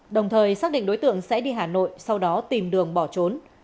đồng thời xác định đối tượng sẽ đi hà nội sau đó tìm đường bỏ trốn